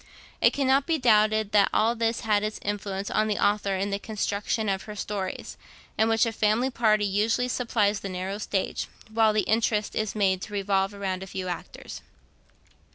It cannot be doubted that all this had its influence on the author in the construction of her stories, in which a family party usually supplies the narrow stage, while the interest is made to revolve round a few actors.